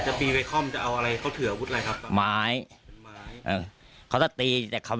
แต่แท็กซี่เขาก็บอกว่าแท็กซี่ควรจะถอยควรจะหลบหน่อยเพราะเก่งเทาเนี่ยเลยไปเต็มคันแล้ว